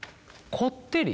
こってり？